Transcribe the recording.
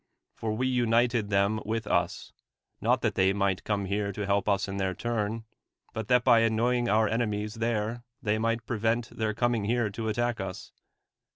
For v/e united them with ils, not that they might come here to help us in their turn, but that by anucniug our enemies there they might prevent tbv ir coiiiing here to attack us.